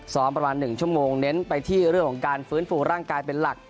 ประมาณ๑ชั่วโมงเน้นไปที่เรื่องของการฟื้นฟูร่างกายเป็นหลัก